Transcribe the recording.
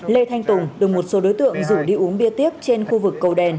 lê thanh tùng được một số đối tượng rủ đi uống bia tiếp trên khu vực cầu đèn